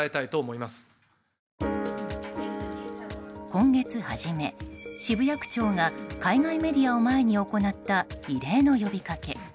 今月初め、渋谷区長が海外メディアを前に行った異例の呼びかけ。